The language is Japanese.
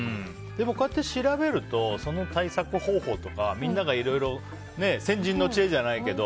でも、こうやって調べるとその対策方法とかみんながいろいろ先人の知恵じゃないけど。